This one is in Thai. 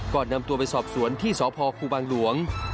นำตัวไปสอบสวนที่สพครูบางหลวง